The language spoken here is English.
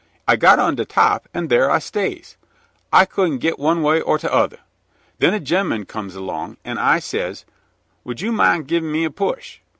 I got on de top, an' thar I stays; I couldn't git one way or t'other. Then a gem'en comes along, an' I says, "Would you min' givin' me a push?"